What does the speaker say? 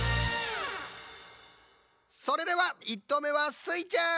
それでは１とうめはスイちゃん！